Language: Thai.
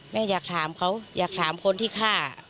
แม่อยากถามเขาอยากถามคนที่ฆ่า